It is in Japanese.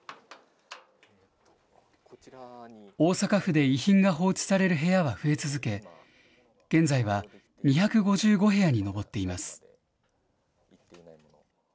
大阪府で遺品が放置される部屋は増え続け、現在は２５５部屋に上っています。